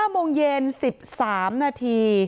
๕โมงเย็น๑๓นาที